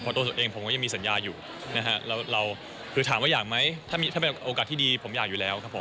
ตัวตัวเองผมก็ยังมีสัญญาอยู่นะฮะเราคือถามว่าอยากไหมถ้าเป็นโอกาสที่ดีผมอยากอยู่แล้วครับผม